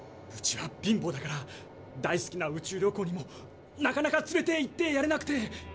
うちは貧乏だから大好きな宇宙旅行にもなかなか連れていってやれなくて。